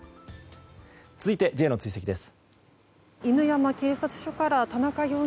続いて、Ｊの追跡です。